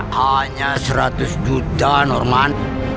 hanya seratus juta norman